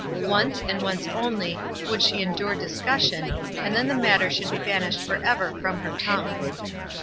Once, and once only, would she endure discussion, and then the matter should be banished for ever from her tongue.